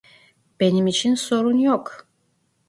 Benim için sorun yok.